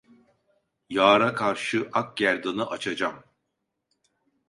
Yâra karşı ak gerdanı açacam.